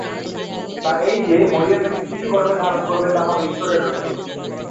তা এই যে, মরিয়ম একটি শিশু গর্ভে ধারণ করবে যে হবে ঈশ্বরের রসূল।